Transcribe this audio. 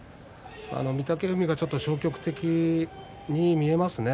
御嶽海がちょっと消極的に見えますね。